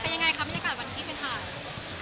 เป็นยังไงคะบรรยากาศวันที่ไปถ่าย